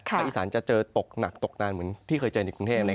อีสานจะเจอตกหนักตกนานเหมือนที่เคยเจอในกรุงเทพ